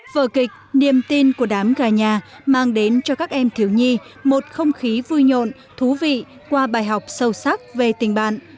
vở kịch niềm tin của đám gà nhà mang đến cho các em thiếu nhi một không khí vui nhộn thú vị qua bài học sâu sắc về tình bạn